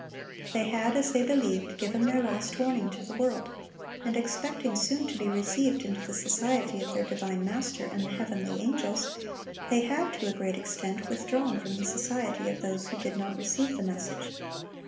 They had, as they believed, given their last warning to the world; and expecting soon to be received into the society of their divine Master and the heavenly angels, they had, to a great extent, withdrawn from the society of those who did not receive the message.